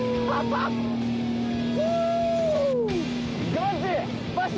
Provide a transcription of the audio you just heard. ガチ！？